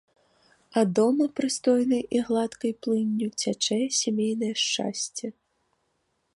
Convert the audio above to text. А дома прыстойнай і гладкай плынню цячэ сямейнае шчасце.